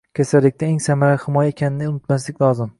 Kasallikdan eng samarali himoya ekanini unutmaslik lozim.